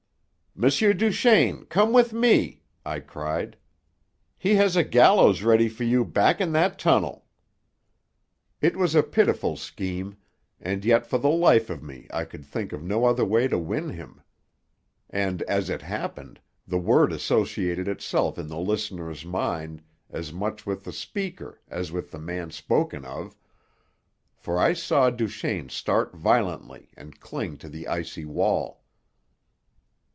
"M. Duchaine! Come with me!" I cried. "He has a gallows ready for you back in that tunnel!" It was a pitiful scheme, and yet for the life of me I could think of no other way to win him. And, as it happened, the word associated itself in the listener's mind as much with the speaker as with the man spoken of, for I saw Duchaine start violently and cling to the icy wall.